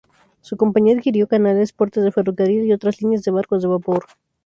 Su compañía adquirió canales, portes de ferrocarril y otras líneas de barcos de vapor.